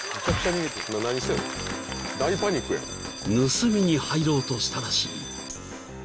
［盗みに入ろうとしたらしい］